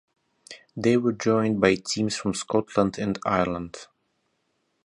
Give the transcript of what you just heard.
They were joined by teams from Scotland and Ireland.